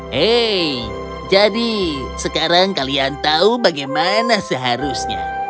hei jadi sekarang kalian tahu bagaimana seharusnya